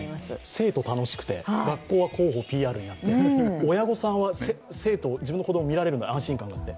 生徒楽しくて、学校は広報ＰＲになって親御さんは生徒、自分の子供を見られるので安心感があって。